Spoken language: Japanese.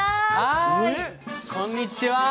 はいこんにちは。